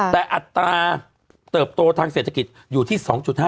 แต่อัตราเติบโตทางเศรษฐกิจอยู่ที่๒๕